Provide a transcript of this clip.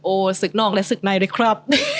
โอ้ศึกนอกและศึกในเลยครับ